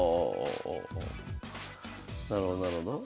ああなるほどなるほど。